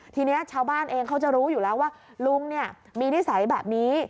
ทีนี้ชาวบ้านเองเขาจะรู้อยู่แล้วว่าลุงมีนิสัยแบบนี้